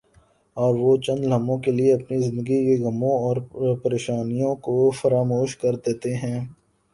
اور وہ چند لمحوں کے لئے اپنی زندگی کے غموں اور پر یشانیوں کو فراموش کر دیتے ہیں ۔